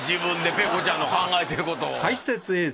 ペコちゃんの考えてること。